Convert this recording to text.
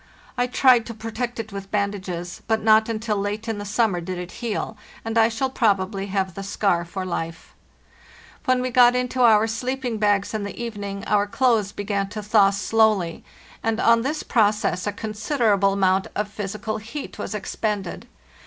I tried to protect it with bandages, but not until late in the summer did it heal, and I shall probably have the scar for life. When we got into our sleeping bags in the evening our clothes began to thaw slowly, and on this process a considerable amount of II.—10 146 LARTAHEST NORTE physical feat was expended.